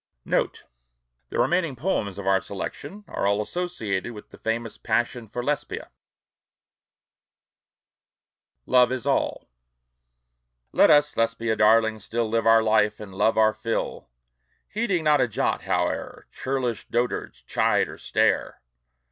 NOTE. The remaining poems of our selection are all associated with the famous passion for Lesbia. LOVE IS ALL Let us, Lesbia darling, still Live our life, and love our fill; Heeding not a jot, howe'er Churlish dotards chide or stare!